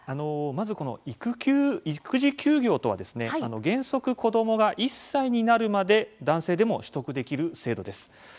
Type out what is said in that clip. まず、この育休育児休業とはですね、原則子どもが１歳になるまで男性でも取得できる制度です。